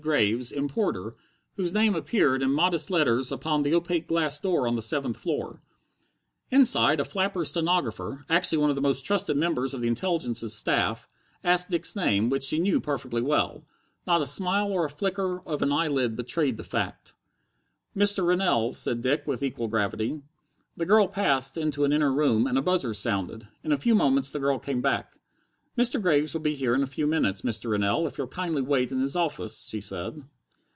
Graves, Importer, whose name appeared in modest letters upon the opaque glass door on the seventh story. Inside a flapper stenographer actually one of the most trusted members of Intelligence's staff asked Dick's name, which she knew perfectly well. Not a smile or a flicker of an eyelid betrayed the fact. "Mr. Rennell," said Dick with equal gravity. The girl passed into an inner room, and a buzzer sounded. In a few moments the girl came back. "Mr. Graves will be here in a few minutes, Mr. Rennell, if you'll kindly wait in his office," she said.